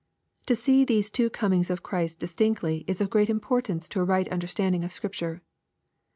To see these two comings of Christ distinctly is of great importance to a right understanding of Scripture.